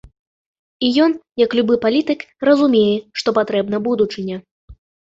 І ён, як любы палітык, разумее, што патрэбна будучыня.